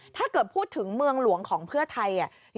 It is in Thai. ถ้าเกิดพูดถึงเมืองหลวงของเพื่อไทย